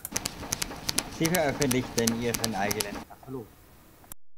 Sie veröffentlichten ihren eigenen Katalog.